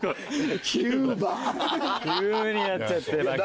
急にやっちゃって。